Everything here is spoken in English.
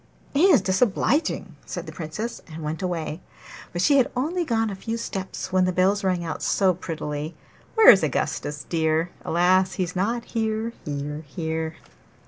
'He is disobliging!' said the Princess, and went away. But she had only gone a few steps when the bells rang out so prettily 'Where is Augustus dear? Alas! he's not here, here, here.